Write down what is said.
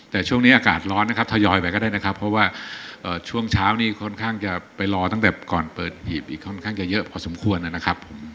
แต่ช่วงนี้อากาศร้อนนะครับทยอยไปก็ได้นะครับเพราะว่าช่วงเช้านี้ค่อนข้างจะไปรอตั้งแต่ก่อนเปิดหีบอีกค่อนข้างจะเยอะพอสมควรนะครับผม